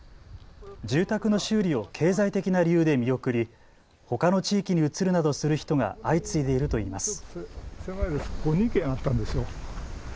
住宅の修理を経済的な理由で見送り、ほかの地域に移るなどする人が相次いでいるといいます。